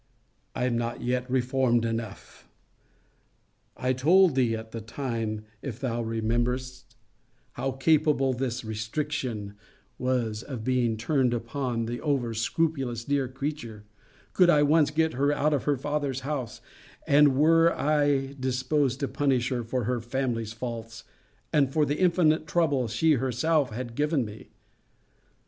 I am not yet reformed enough! I told thee at the time, if thou rememberest, how capable this restriction was of being turned upon the over scrupulous dear creature, could I once get her out of her father's house; and were I disposed to punish her for her family's faults, and for the infinite trouble she herself had given me.